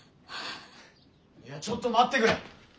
いやちょっと待ってくれ！